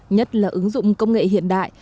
nhất là ứng dụng công nghệ hiện đại